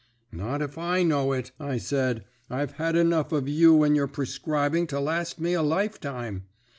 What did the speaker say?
"'Not if I know it,' I said. 'I've had enough of you and your prescribing to last me a lifetime.